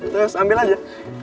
terus ambil aja